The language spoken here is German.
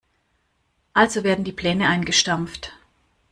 Also werden die Pläne eingestampft.